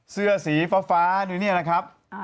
เสื้อสีฟ้านี่นะครับ